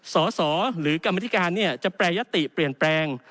ส่อหรือกรรมธิการเนี่ยจะประยะติเปลี่ยนแปลง